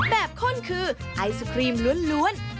แบบคนคือไอศครีมล้วน